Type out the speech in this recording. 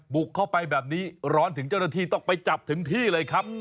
บุกเข้าไปแบบนี้ร้อนถึงเจ้าหน้าที่ต้องไปจับถึงที่เลยครับ